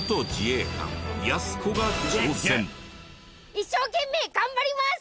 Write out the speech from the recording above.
一生懸命頑張ります！